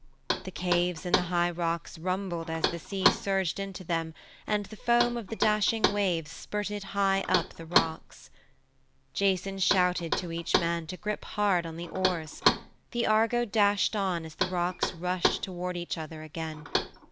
The caves in the high rocks rumbled as the sea surged into them, and the foam of the dashing waves spurted high up the rocks. Jason shouted to each man to grip hard on the oars. The Argo dashed on as the rocks rushed toward each other again.